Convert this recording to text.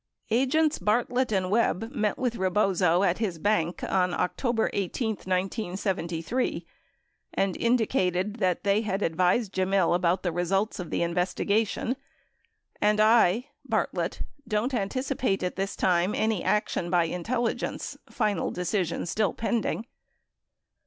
84 Agents Bartlett and Webb met with Rebozo at bis bank on October 18, 1973, and indicated that they had advised Gemmill about the results of the investigation "and I [Bartlett] don't anticipate at this time any action by Intelligence, final decision still pending."